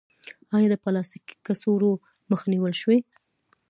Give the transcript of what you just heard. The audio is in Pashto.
آیا د پلاستیکي کڅوړو مخه نیول شوې؟